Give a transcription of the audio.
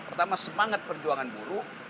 pertama semangat perjuangan buruk